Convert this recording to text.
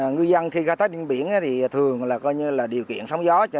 ngư dân khi khai thác điểm biển thì thường là điều kiện sóng gió